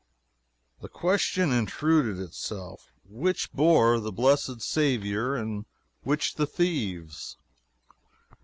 The question intruded itself: "Which bore the blessed Saviour, and which the thieves?"